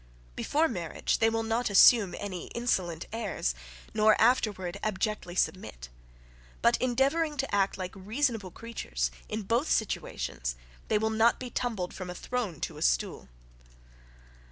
Before marriage they will not assume any insolent airs, nor afterward abjectly submit; but, endeavouring to act like reasonable creatures, in both situations, they will not be tumbled from a throne to a stool.